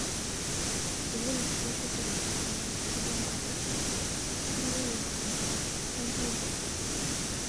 이번에 출시된 제품은 저번 것에 비해 성능이 많이 향상되었다.